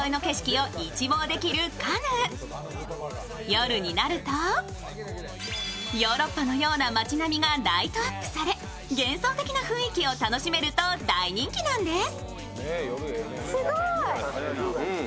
夜になるとヨーロッパのような街並みがライトアップされ幻想的な雰囲気を楽しめると大人気なんです。